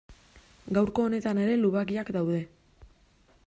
Gaurko honetan ere lubakiak daude.